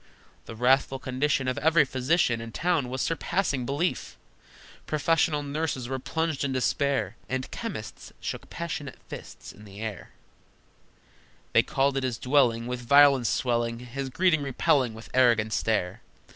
The wrathful condition Of every physician In town was surpassing belief! Professional nurses were plunged in despair, And chemists shook passionate fists in the air: They called at his dwelling, With violence swelling, His greeting repelling with arrogant stare.